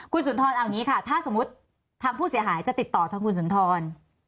คุณสุนทรเอาอย่างนี้ค่ะถ้าสมมุติทางผู้เสียหายจะติดต่อทางคุณสุนทร